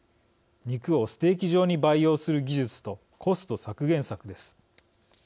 肉をステーキ状に培養する技術とコスト削減策です。